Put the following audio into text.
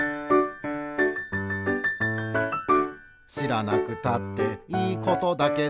「しらなくたっていいことだけど」